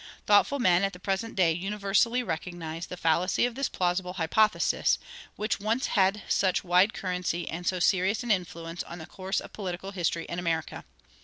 Thoughtful men at the present day universally recognize the fallacy of this plausible hypothesis, which once had such wide currency and so serious an influence on the course of political history in America.